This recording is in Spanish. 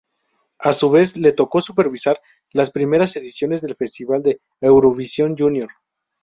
A su vez le tocó supervisar las primeras ediciones del Festival de Eurovisión Junior.